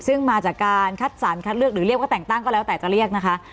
ซึ่งมาจากการคัดสรรคัดเลือกหรือเรียกว่าแต่งตั้งก็แล้วแต่จะเรียกนะคะ